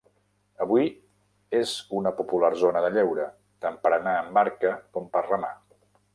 Avui es una popular zona de lleure, tant per anar en barca com per remar.